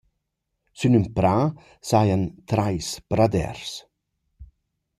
Sün ün prà sejan trais praders.